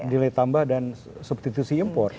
nilai tambah dan substitusi impor